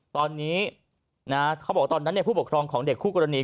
ตอนนี้เขาบอกว่าตอนนั้นผู้ปกครองของเด็กคู่กรณี